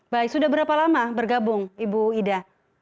baik sudah berapa lama bergabung ibu ida